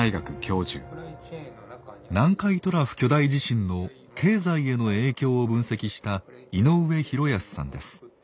南海トラフ巨大地震の経済への影響を分析した井上寛康さんです。